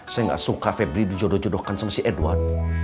saya gak suka febri dijodoh jodohkan sama si edward